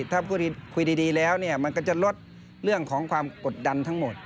ถ้าคุยดีแล้วเนี่ยมันก็จะลดเรื่องของความกดดันทั้งหมด